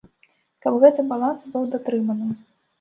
Каб гэты баланс быў датрыманы.